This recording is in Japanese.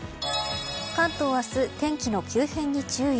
関東は明日、天気の急変に注意。